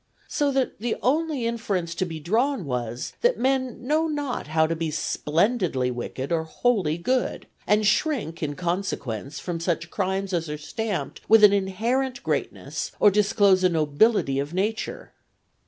So that the only inference to be drawn was, that men know not how to be splendidly wicked or wholly good, and shrink in consequence from such crimes as are stamped with an inherent greatness or disclose a nobility of nature.